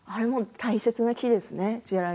大切な木ですよね。